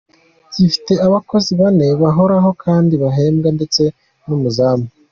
Gifite abakozi bane bahoraho kandi bahembwa ndetse n’umuzamu.